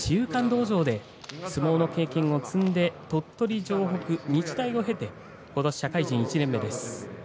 相撲の経験を積んで鳥取城北、日大を経てことし社会人１年目です。